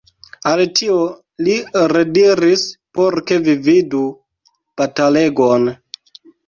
Al tio li rediris, por ke vi vidu batalegon.